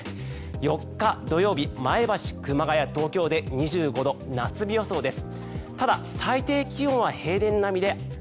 ４日、土曜日前橋、熊谷、東京で２５度、夏日予想です。